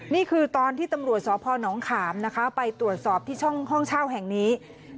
นี่คือตอนที่ตำรวจสพนขามนะคะไปตรวจสอบที่ช่องห้องเช่าแห่งนี้